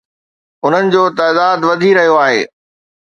انهن جو تعداد وڌي رهيو آهي